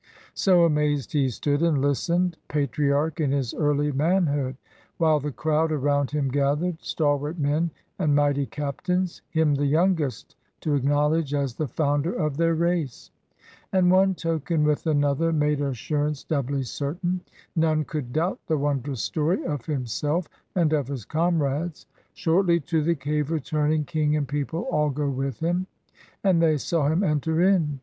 So amazed he stood and listened. Patriarch in his early manhood ; While the crowd around him gathered, Stalwart men, and mighty captains, Him, the youngest, to acknowledge As the founder of their race! And one token with another Made assurance doubly certain; None could doubt the wondrous story Of himself and of his comrades. Shortly, to the cave returning, King and people all go with him. And they saw him enter in.